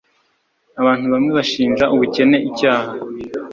abantu bamwe bashinja ubukene icyaha